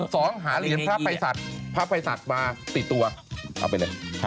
สองหาเหรียญพระภัยศาสตร์มาติดตัวเอาไปเลย